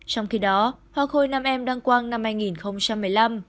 trong khi đó hoa khôi nam em đăng quang năm hai nghìn một mươi năm